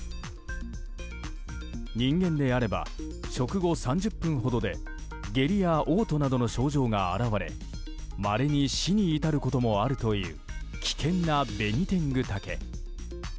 人間であれば食後３０分ほどで下痢や嘔吐などの症状が現れまれに死に至ることもあるという危険なベニテングタケ。